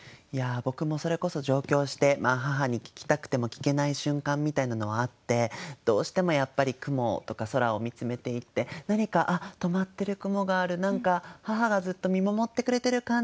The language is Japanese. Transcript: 僕もそれこそ上京して母に聞きたくても聞けない瞬間みたいなのはあってどうしてもやっぱり雲とか空を見つめていて何か止まってる雲がある何か母がずっと見守ってくれている感じ